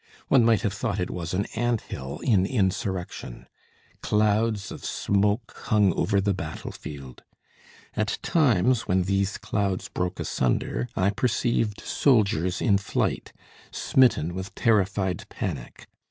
One might have thought it was an ant hill in insurrection. Clouds of smoke hung over the battle field. At times, when these clouds broke asunder, I perceived soldiers in flight, smitten with terrified panic.